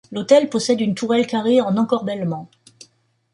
L'hôtel possède une tourelle carrée en encorbellement.